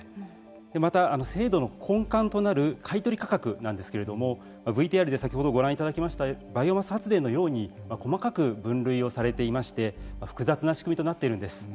また、制度の根幹となる買い取り価格なんですけれどもＶＴＲで先ほどご覧いただきましたバイオマス発電のように細かく分類をされていまして複雑な仕組みとなっているんです。